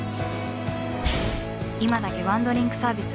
今だけワンドリンクサービス